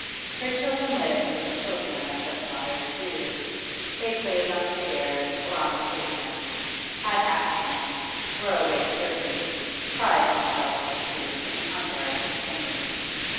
Her children lived as the children of such mothers do: they played on the stairs or on the pavements, had accidents, were always dirty, cried themselves to sleep in hunger and pain.